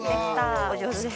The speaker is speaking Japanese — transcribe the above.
◆お上手です。